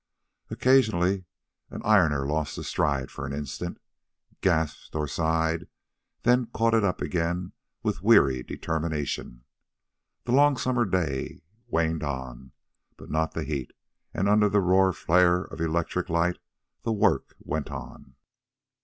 Occasionally an ironer lost the stride for an instant, gasped or sighed, then caught it up again with weary determination. The long summer day waned, but not the heat, and under the raw flare of electric light the work went on.